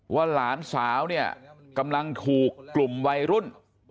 หลานสาวเนี่ยกำลังถูกกลุ่มวัยรุ่น